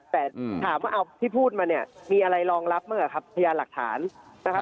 แต่ถามว่าเอาที่พูดมาเนี่ยมีอะไรรองรับเมื่อไหร่ครับพยานหลักฐานนะครับ